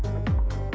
sungguh kesitu ya